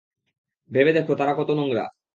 ভেবে দেখ তারা কত নোংরা!